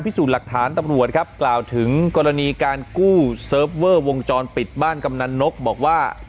พิสูจน์หลักฐานตำรวจครับกล่าวถึงกรณีการกู้เซิร์ฟเวอร์วงจรปิดบ้านกำนันนกบอกว่า